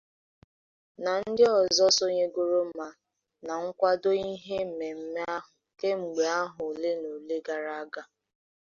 na ndị ọzọ sonyegoro ma na-akwàdo ihe mmemme ahụ kemgbe ahọ olenaole gara aga